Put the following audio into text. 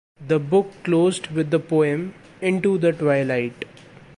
The book closed with the poem "Into the Twilight".